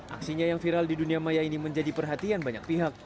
aksinya yang viral di dunia maya ini menjadi perhatian banyak pihak